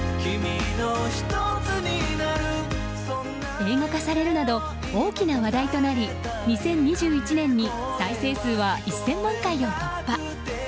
映画化されるなど大きな話題となり２０２１年に再生数は１０００万回を突破。